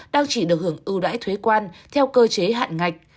đang chỉ được hưởng ưu đãi thuế quan theo cơ chế hạn ngạch